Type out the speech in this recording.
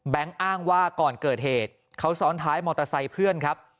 อ้างว่าก่อนเกิดเหตุเขาซ้อนท้ายมอเตอร์ไซค์เพื่อนครับ